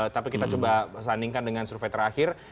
tapi kita coba sandingkan dengan survei terakhir